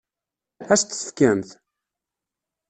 Ad as-t-tefkemt?